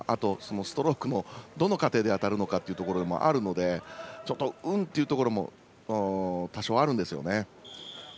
ストロークもどの過程で当たるのかというのもあるので、運というところも多少あるんですよね。